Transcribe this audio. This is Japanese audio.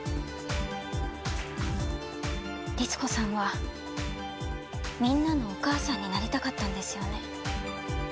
律子さんはみんなのお母さんになりたかったんですよね？